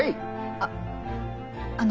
あっあの